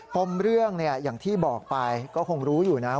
ปมเรื่องอย่างที่บอกไปก็คงรู้อยู่นะ